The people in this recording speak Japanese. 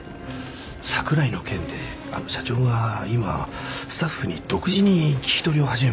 櫻井の件であの社長が今スタッフに独自に聞き取りを始めました。